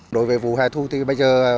đối với vụ hè thu thì bây giờ